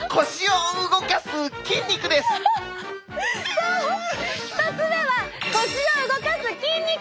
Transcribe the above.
そう１つ目は腰を動かす筋肉！